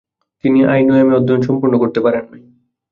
তিনি আইন ও এম.এ অধ্যয়ন সম্পূর্ণ করতে পারেন নাই।